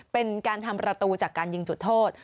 เป็นการทำประตูจากการยิงจุดโทษ